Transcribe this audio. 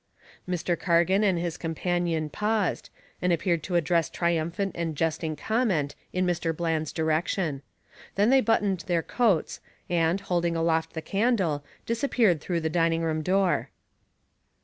Mr. Cargan and his companion paused, and appeared to address triumphant and jesting comment in Mr. Bland's direction. Then they buttoned their coats and, holding aloft the candle, disappeared through the dining room door.